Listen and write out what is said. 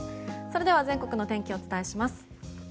それでは全国の天気お伝えします。